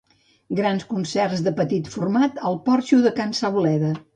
Grans concerts de petit format al porxo de can Sauleda